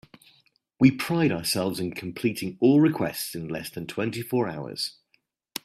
We pride ourselves in completing all requests in less than twenty four hours.